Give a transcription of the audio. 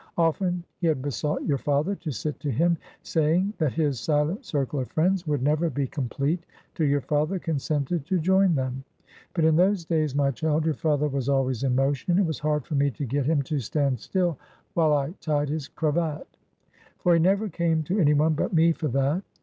Often, he had besought your father to sit to him; saying, that his silent circle of friends would never be complete, till your father consented to join them. But in those days, my child, your father was always in motion. It was hard for me to get him to stand still, while I tied his cravat; for he never came to any one but me for that.